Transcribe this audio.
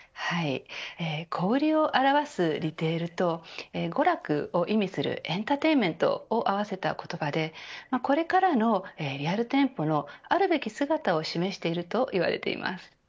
小売りを表すリテールと娯楽を意味するエンターテインメントを合わせた言葉でこれからのリアル店舗のあるべき姿を示しているといわれています。